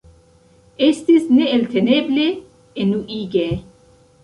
Estis neelteneble enuige.